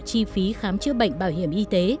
chi phí khám chữa bệnh bảo hiểm y tế